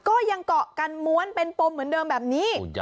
ก็ยังเกาะกันม้วนเป็นปมเหมือนเดิมแบบนี้